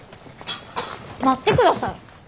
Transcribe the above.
待ってください。